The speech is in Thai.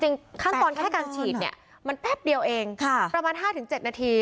ขั้นตอนแค่การฉีดเนี่ยมันแป๊บเดียวเองประมาณ๕๗นาที